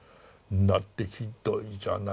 だってひどいじゃないですか。